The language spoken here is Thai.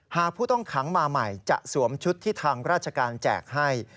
ผู้ต้องขังมาใหม่จะสวมชุดที่ทางราชการแจกให้